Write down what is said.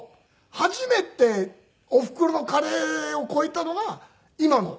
初めておふくろのカレーを超えたのが今の。